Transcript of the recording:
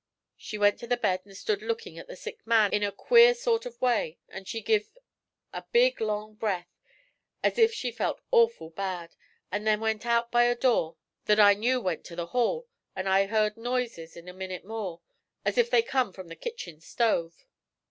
She went to the bed an' stood lookin' at the sick man in a queer sort of way, an' she give a big long breath, as if she felt awful bad, an' then went out by a door that I knew went to the hall, an' I heard noises in a minit more, as if they come from the kitchin stove.